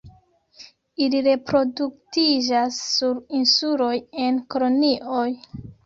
Ili reproduktiĝas sur insuloj en kolonioj.